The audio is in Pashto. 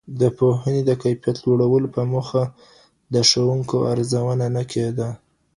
د پوهنې د کیفیت د لوړولو په موخه د ښوونکو ارزونه نه کيده.